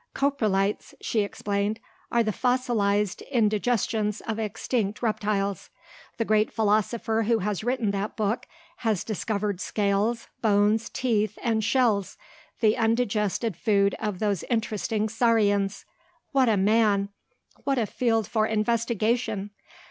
"Coprolites," she explained, "are the fossilised indigestions of extinct reptiles. The great philosopher who has written that book has discovered scales, bones, teeth, and shells the undigested food of those interesting Saurians. What a man! what a field for investigation!